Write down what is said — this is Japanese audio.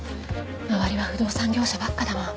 周りは不動産業者ばっかだもん。